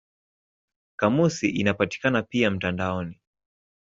Kamusi inapatikana pia mtandaoni.